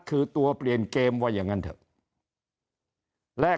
คือตัวเปลี่ยนเกมว่าอย่างนั้นเถอะ